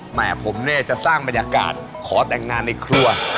แม่ผมเนี่ยจะสร้างบรรยากาศขอแต่งงานในครัว